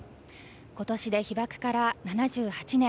今年で被爆から７８年。